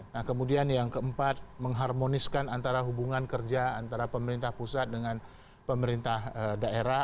nah kemudian yang keempat mengharmoniskan antara hubungan kerja antara pemerintah pusat dengan pemerintah daerah